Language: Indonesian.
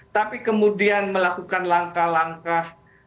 tapi kemudian melakukan langkah langkah